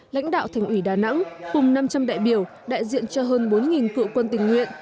lãnh đạo thành ủy đà nẵng cùng năm trăm linh đại biểu đại diện cho hơn bốn cựu quân tình nguyện